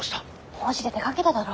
法事で出かけただろ？